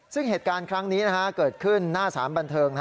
ซึ่งเหตุการณ์ครั้งนี้เกิดขึ้นหน้าสารบันเทิง